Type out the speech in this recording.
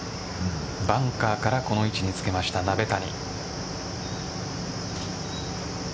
バンカーからこの位置につけました、鍋谷。